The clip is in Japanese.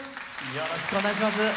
よろしくお願いします。